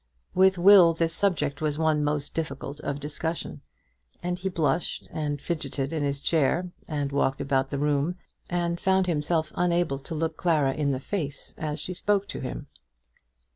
With Will this subject was one most difficult of discussion; and he blushed and fidgeted in his chair, and walked about the room, and found himself unable to look Clara in the face as she spoke to him.